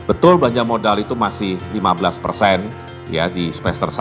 betul belanja modal itu masih lima belas persen di semester satu